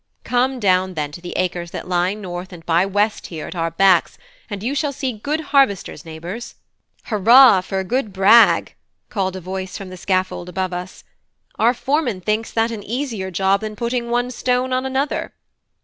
Come down then to the acres that lie north and by west here at our backs and you shall see good harvesters, neighbours. "Hurrah, for a good brag!" called a voice from the scaffold above us; "our foreman thinks that an easier job than putting one stone on another!"